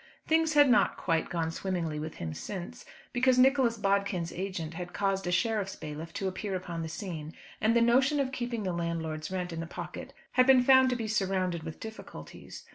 Things had not quite gone swimmingly with him since, because Nicholas Bodkin's agent had caused a sheriff's bailiff to appear upon the scene, and the notion of keeping the landlord's rent in the pocket had been found to be surrounded with difficulties.